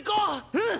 うん！